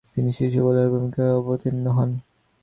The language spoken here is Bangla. তিনি শীর্ষ বোলারের ভূমিকায় অবতীর্ণ হন।